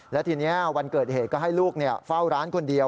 และทีนี้วันเกิดเหตุก็ให้ลูกเฝ้าร้านคนเดียว